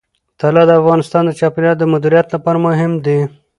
طلا د افغانستان د چاپیریال د مدیریت لپاره مهم دي.